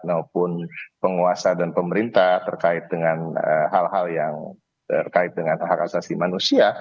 maupun penguasa dan pemerintah terkait dengan hal hal yang terkait dengan hak asasi manusia